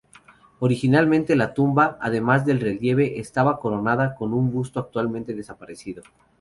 Originalmente la tumba, además del relieve, estaba coronada con un busto, actualmente desaparecido.